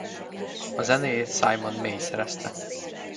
A zenéjét Simon May szerezte.